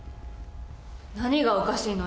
何がおかしいの？